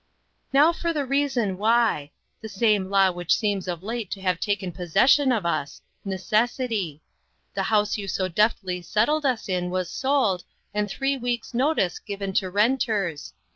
" Now for the reason why : the same law which seems of late to have taken posses sion of us necessity. The house you so 242 INTERRUPTED. deftly settled us in was sold, and three weeks' notice given to renters.